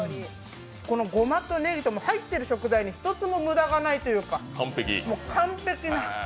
ごまとねぎと入っている食材に１つも無駄がないというか、完璧。